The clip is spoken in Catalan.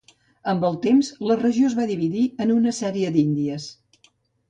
Amb el temps, la regió es va dividir en una sèrie d'Índies.